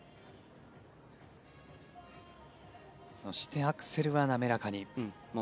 そしてアクセルは滑らかに。